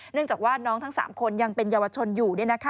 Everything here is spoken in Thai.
จากว่าน้องทั้ง๓คนยังเป็นเยาวชนอยู่